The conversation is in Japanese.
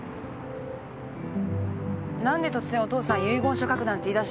何で突然お父さん遺言書書くなんて言いだしたの？